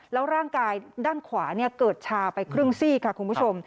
แล้วร่างกายด้านขวาเกิดชาไปครึ่งซี่ค่ะคุณผู้ชม